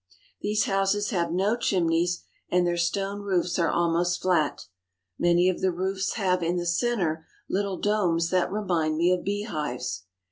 These houses have no chimneys and their stone roofs are almost flat. Many of the roofs have in the centre little domes that remind me of beehives.